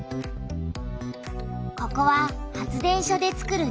ここは発電所でつくる